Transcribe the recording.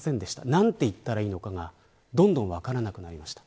なんて言ったらいいのかがどんどん分からなくなりました。